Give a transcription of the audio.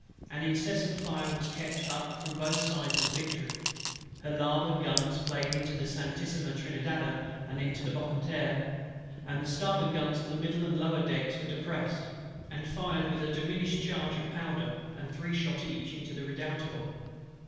An incessant fire was kept up from both sides of the Victory; her larboard guns played upon the Santissima Trinidada and the Bucentaur; and the starboard guns of the middle and lower decks were depressed, and fired with a diminished charge of powder, and three shot each, into the Redoutable.